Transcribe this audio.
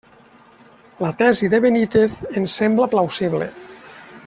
La tesi de Benítez ens sembla plausible.